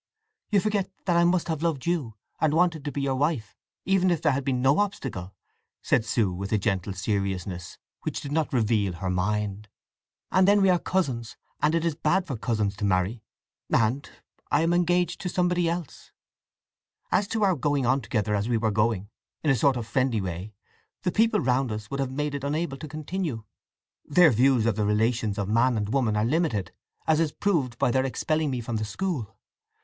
"You forget that I must have loved you, and wanted to be your wife, even if there had been no obstacle," said Sue, with a gentle seriousness which did not reveal her mind. "And then we are cousins, and it is bad for cousins to marry. And—I am engaged to somebody else. As to our going on together as we were going, in a sort of friendly way, the people round us would have made it unable to continue. Their views of the relations of man and woman are limited, as is proved by their expelling me from the school.